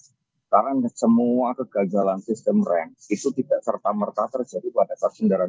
karena semua kegagalan sistem rem itu tidak serta merta terjadi pada kendaraan